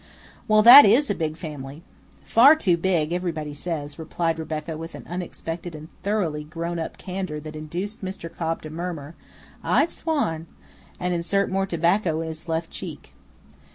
"Well, that IS a big family!" "Far too big, everybody says," replied Rebecca with an unexpected and thoroughly grown up candor that induced Mr. Cobb to murmur, "I swan!" and insert more tobacco in his left cheek.